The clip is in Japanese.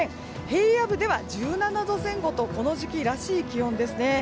平野部では１７度前後とこの時期らしい気温ですね。